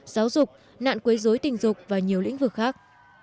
giáo dục nạn quấy dối tình dục và nhiều lĩnh vực khác